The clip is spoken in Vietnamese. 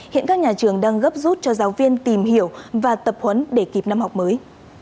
hiện các nhà trường đang gấp rút cho giáo viên tìm hiểu và tập huấn để kịp năm học mới